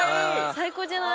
最高じゃない？